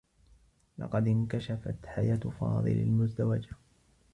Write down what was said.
لقد انكشفت حياة فاضل المزدوجة.